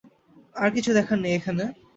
আর কিছু দেখার নেই এখানে?